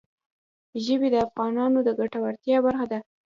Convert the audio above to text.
ژبې د افغانانو د ګټورتیا برخه ده.